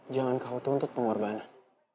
jangan kau tuntut pengorbanan